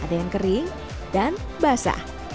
ada yang kering dan basah